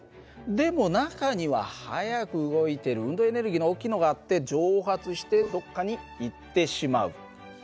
でも中には速く動いてる運動エネルギーの大きいのがあって蒸発してどっかに行ってしまうという事もある訳だ。